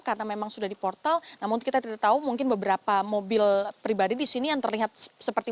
karena memang sudah diportal namun kita ternyata tahu mungkin beberapa mobil pribadi disini yang terlihat seperti loitsnya tutup